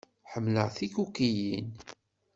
Ḥemmleɣ tikukiyin.